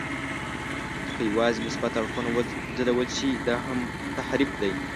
که یوازې مثبت اړخونه وځلول شي، دا هم تحریف دی.